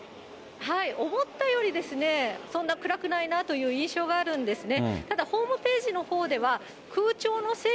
思ったより、そんな暗くないなという印象があるんですね。